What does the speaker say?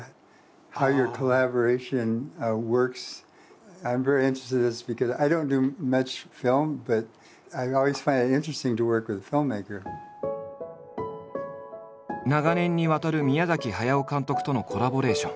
それでただ長年にわたる宮駿監督とのコラボレーション。